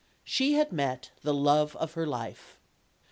She had met the love of her life.